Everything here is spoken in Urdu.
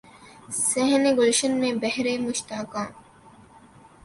صحن گلشن میں بہر مشتاقاں